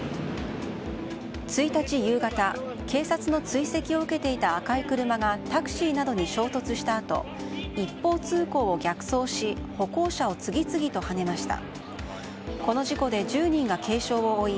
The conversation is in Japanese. １日夕方警察の追跡を受けていた赤い車がタクシーなどに衝突したあと一方通行を逆走し歩行者を次々とはねました。